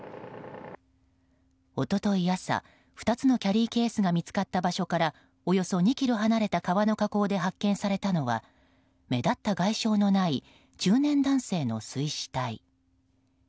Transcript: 一昨日朝２つのキャリーケースが見つかった場所からおよそ２ｋｍ離れた川の河口で発見されたのは目立った外傷のない中年男性の水死体。